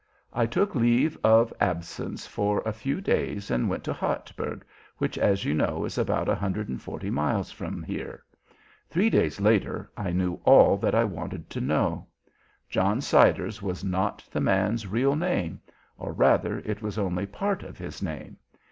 I took leave of absence for a few days and went to Hartberg, which, as you know, is about 140 miles from here. Three days later I knew all that I wanted to know. John Siders was not the man's real name, or, rather, it was only part of his name.